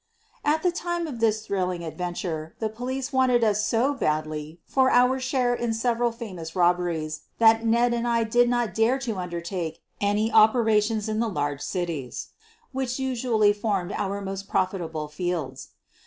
At the time of this thrilling adventure the police wanted us so badly for our share in several famous jrobberies that Ned and I did not dare to undertake any operations in the large cities which usually formed our most profitable fields.